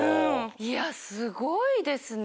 いやすごいですね。